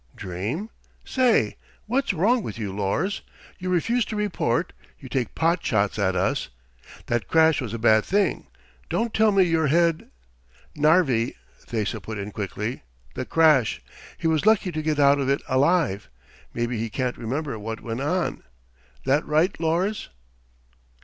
"Dream? Say, what's wrong with you, Lors? You refuse to report, you take pot shots at us... That crash was a bad thing; don't tell me your head..." "Narvi," Thesa put in quickly. "The crash! He was lucky to get out of it alive. Maybe he can't remember what went on. That right, Lors?"